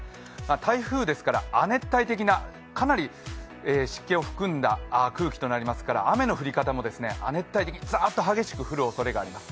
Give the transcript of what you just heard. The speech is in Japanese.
台風ですから、亜熱帯的なかなり湿気を含んだ空気となりますから、雨の降り方も亜熱帯的にザーッと激しく降るおそれがあります。